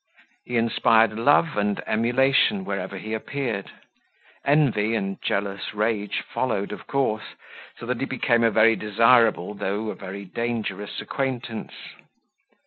He inspired love and emulation wherever he appeared: envy and jealous rage followed of course; so that he became a very desirable, though a very dangerous acquaintance.